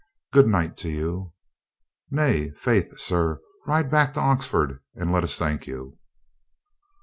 "Good night to you." "Nay, faith, sir; ride back to Oxford and let us thank you."